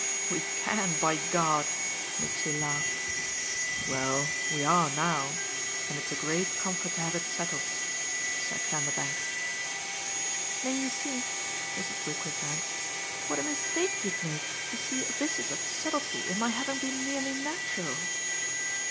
"We CAN, by God!" Mitchy laughed. "Well, we are now and it's a great comfort to have it settled," said Vanderbank. "Then you see," Mrs. Brook returned, "what a mistake you'd make to see abysses of subtlety in my having been merely natural."